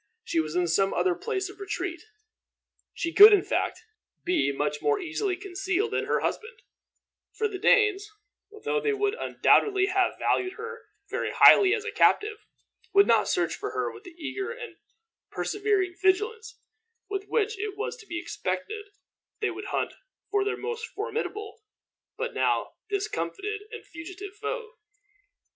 She was in some other place of retreat. She could, in fact, be much more easily concealed than her husband; for the Danes, though they would undoubtedly have valued her very highly as a captive, would not search for her with the eager and persevering vigilance with which it was to be expected they would hunt for their most formidable, but now discomfited and fugitive foe.